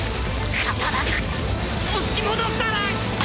刀が押し戻され